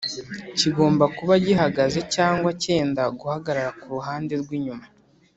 kigomba kuba gihagaze cyangwa cyenda guhagarara ku ruhande rw'inyuma